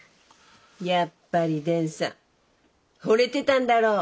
やっぱり伝さんほれてたんだろう！